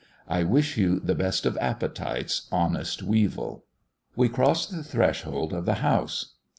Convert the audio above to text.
I wish you the best of appetites, honest weevil! We cross the threshold of the house.